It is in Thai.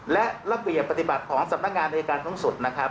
และระเบียบปฏิบัติของสำนักงานนายการทั้งสุด